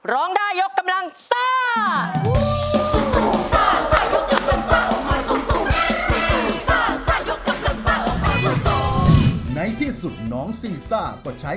ร้องได้ยกกำลังซ่า